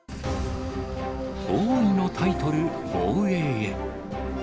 王位のタイトル防衛へ。